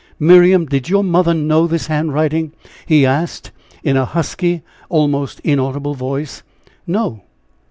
"Miriam, did your mother know this handwriting?" he asked, in a husky, almost inaudible voice. "No!"